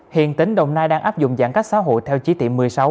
hiện tỉnh đồng nai đang áp dụng giãn cách xã hội theo chí tiệm một mươi sáu